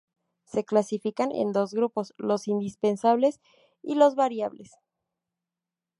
Se clasifican en dos grupos: los indispensables y los variables.